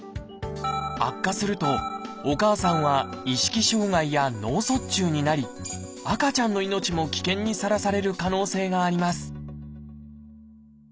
悪化するとお母さんは意識障害や脳卒中になり赤ちゃんの命も危険にさらされる可能性があります